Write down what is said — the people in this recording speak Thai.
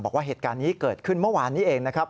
บอกว่าเหตุการณ์นี้เกิดขึ้นเมื่อวานนี้เองนะครับ